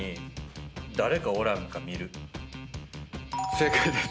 正解です。